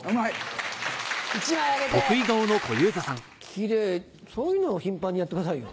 キレイそういうのを頻繁にやってくださいよ。